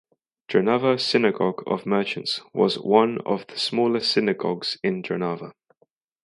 Jonava Synagogue of Merchants was one of the smaller synagogues in Jonava.